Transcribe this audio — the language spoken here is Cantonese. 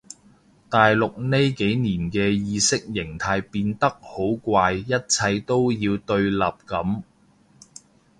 大陸呢幾年嘅意識形態變得好怪一切都要對立噉